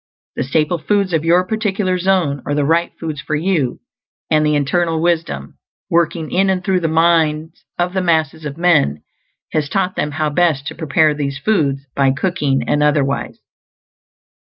The staple foods of your particular zone are the right foods for you; and the Eternal Wisdom, working in and through the minds of the masses of men, has taught them how best to prepare these foods by cooking and otherwise.